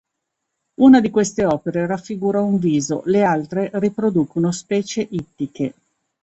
Una di queste opere raffigura un viso, le altre riproducono specie ittiche.